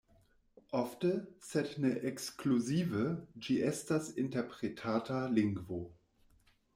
Ofte, sed ne ekskluzive, ĝi estas interpretata lingvo.